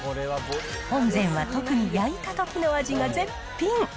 本膳は特に焼いたときの味が絶品。